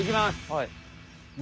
はい。